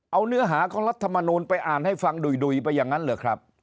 เอาเนื้อหาของรัฐมนูลไปอ่านให้ฟังดุยไปอย่างนั้นเหรอครับ